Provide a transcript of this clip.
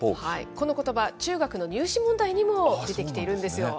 このことば、中学の入試問題にも出てきているんですよ。